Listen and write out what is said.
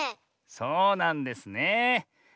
そうなんですねえ。